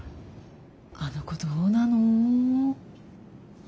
あの子どうなの？